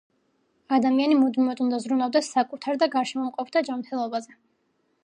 ადამიანი მუდმივად უნდა ზრუნავდეს საკუთარ და გარშემოყოფთა ჯამრთელობაზე